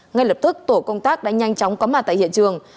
ngay lập tức tổ công tác đã nhanh chóng có mặt tại hiện trường